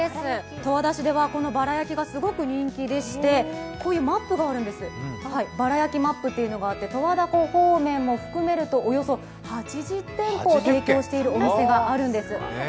十和田市ではこのバラ焼きがすごく人気でして、こういうバラ焼きマップというのがあって、十和田方面含めるとおよそ８０店舗提供しているお店があるんです。